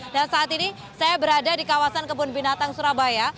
dan saat ini saya berada di kawasan kebun binatang surabaya